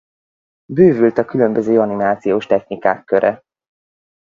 Bővült a különböző animációs technikák köre.